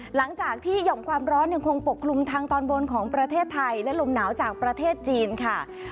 หลังจากที่หย่อมความร้อนยังคงปกคลุมทางตอนบนของประเทศไทยและลมหนาวจากประเทศจีนค่ะ